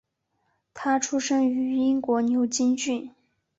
他出生于英国牛津郡。